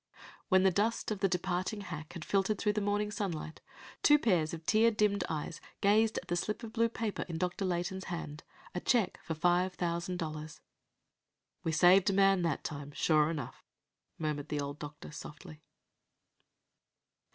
When the dust of the departing hack had filtered through the morning sunlight, two pairs of tear dimmed eyes gazed at the slip of blue paper in Dr. Layton's hand, a check for five thousand dollars. "We saved a man that time, sure enough!" murmured the old doctor softly.